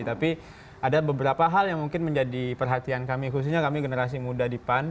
tapi ada beberapa hal yang mungkin menjadi perhatian kami khususnya kami generasi muda di pan